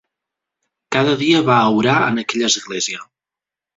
Cada dia va a orar en aquella església.